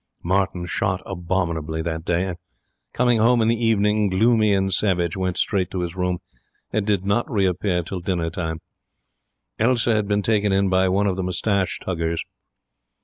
Martin shot abominably that day, and, coming home in the evening gloomy and savage, went straight to his room, and did not reappear till dinner time. Elsa had been taken in by one of the moustache tuggers.